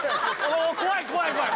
怖い、怖い、怖い！